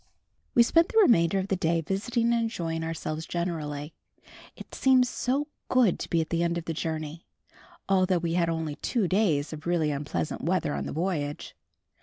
We spent the remainder of the day visiting and enjoying ourselves generally. It seemed so good to be at the end of the journey, although we had only two days of really unpleasant weather on the voyage.